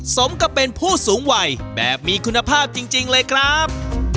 สมกับเป็นผู้สูงวัยแบบมีคุณภาพจริงเลยครับ